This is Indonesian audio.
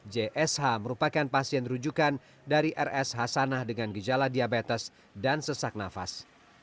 jsh merupakan pasien rujukan dari rs hasanah dengan gejala diabetes dan sesak nafas